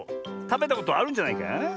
たべたことあるんじゃないか？